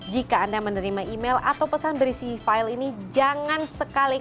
jika anda menerima email atau pesan berisi file ini